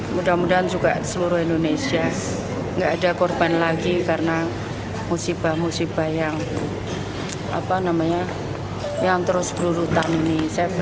mudah mudahan juga seluruh indonesia nggak ada korban lagi karena musibah musibah yang terus berurutan ini